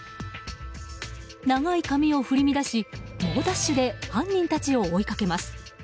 長い髪を振り乱し、猛ダッシュで犯人たちを追いかけます。